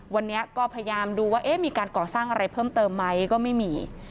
วันนี้ก็พยายามดูว่ามีการก่อสร้างอะไรเพิ่มเติมไหมก็ไม่มี